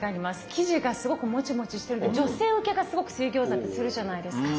生地がすごくもちもちしてるから女性受けがすごく水餃子ってするじゃないですか。